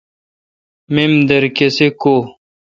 میمدر کسے کو°